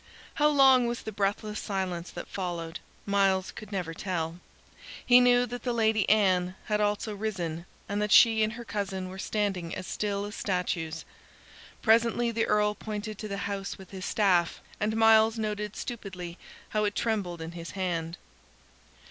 How long was the breathless silence that followed, Myles could never tell. He knew that the Lady Anne had also risen, and that she and her cousin were standing as still as statues. Presently the Earl pointed to the house with his staff, and Myles noted stupidly how it trembled in his hand.